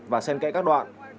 và sen kẽ các đoạn